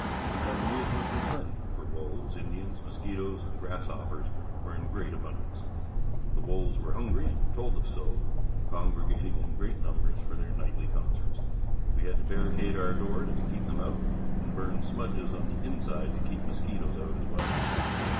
We had amusements in plenty, for wolves, Indians, mosquitoes and grasshoppers were in great abundance. The wolves were hungry and told us so, congregating in great numbers for their nightly concerts. We had to barricade our doors to keep them out and burn smudges on the inside to keep mosquitoes out as well.